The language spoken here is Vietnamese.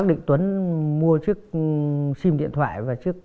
đi hướng nào chị nhỉ